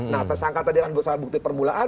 nah tersangka tadi kan besar bukti permulaan